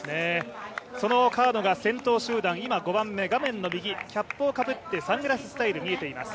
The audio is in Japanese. その川野が先頭集団、今５番目画面の右、キャップをかぶってサングラススタイル、見えています。